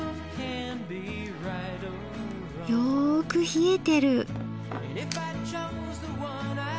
よく冷えてる。